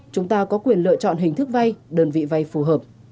chúng ta có quyền lựa chọn hình thức vay đơn vị vay phù hợp